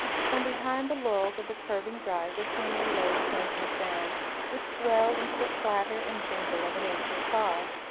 From behind the laurels of the curving drive there came a low, clanking sound, which swelled into the clatter and jingle of an ancient car.